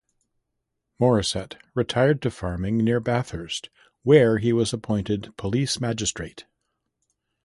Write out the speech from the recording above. Morisset retired to farming near Bathurst, where he was appointed police magistrate.